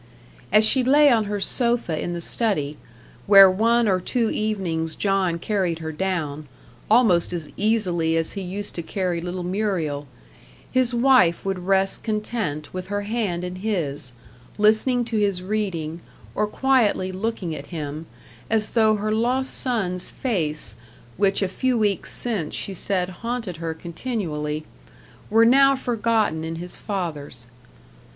As she lay on her sofa in the study, where one or two evenings John carried her down, almost as easily as he used to carry little Muriel, his wife would rest content with her hand in his, listening to his reading, or quietly looking at him, as though her lost son's face, which a few weeks since she said haunted her continually, were now forgotten in his father's.